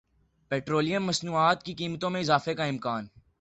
petroleum مصنوعات کی قیمتوں میں اضافے کا امکان